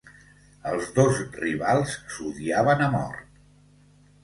Els dos rivals s'odiaven a mort.